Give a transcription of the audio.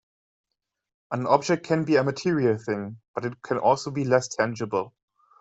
An object can be a material thing, but it can also be less tangible.